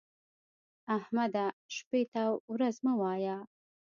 احمده! شپې ته ورځ مه وايه.